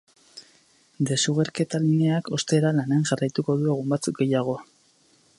Desugerketa lineak, ostera, lanean jarraituko du egun batzuk gehiago.